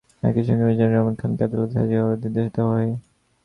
একই সঙ্গে মিজানুর রহমান খানকে আদালতে হাজির হওয়ার নির্দেশ দেওয়া হয়।